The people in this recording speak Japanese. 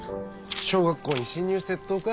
小学校に侵入窃盗か。